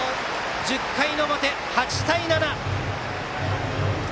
１０回の表、８対７！